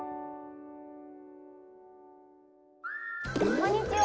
こんにちは！